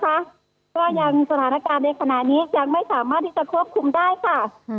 ก็ยังสถานการณ์ในขณะนี้ยังไม่สามารถที่จะควบคุมได้ค่ะ